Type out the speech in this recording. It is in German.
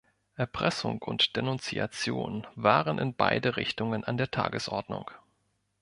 Erpressung und Denunziation waren in beide Richtungen an der Tagesordnung.